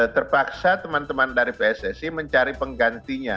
terpaksa teman teman dari pssi mencari penggantinya